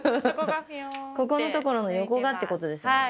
ここの所の横がってことですね。